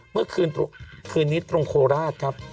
เมื่อคืนคืนนี้ตรงโคราชครับ